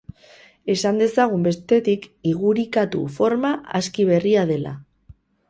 Esan dezagun, bestetik, "igurikatu" forma aski berria dela.